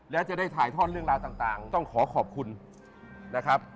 และจะได้ถ่ายทอดเรื่องราวต่างต้องขอขอบคุณนะครับ